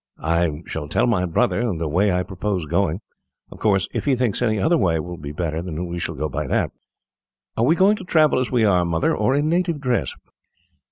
"I shall tell my brother the way I propose going. Of course, if he thinks any other way will be better, we shall go by that." "Are we going to travel as we are, Mother, or in native dress?"